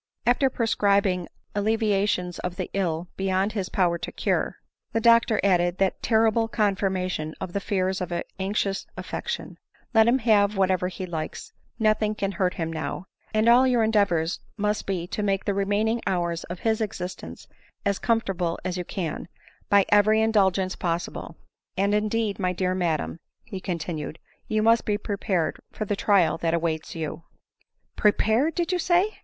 After prescribing alleviations of the ill beyond bis power to cure, Dr added that terrible confirmation of the fears of anxious affection —" Let him have whatever he likes ; nothing can hurt him now; and all your endeavors must be to make the remaining hours of his existence as comfortable as you can, by every indulgence possible; and indeed, my dear madam, 9 he continued, "you must be prepared for the trial that awaits you." " Prepared ! did you say